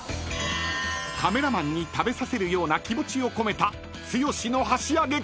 ［カメラマンに食べさせるような気持ちを込めた剛の箸あげか？］